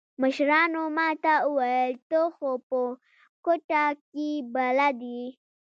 مشرانو ما ته وويل ته خو په کوټه کښې بلد يې.